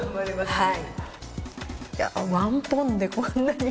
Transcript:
はい。